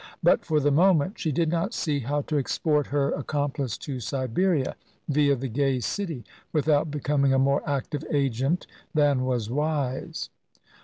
But, for the moment, she did not see how to export her accomplice to Siberia, via the gay city, without becoming a more active agent than was wise.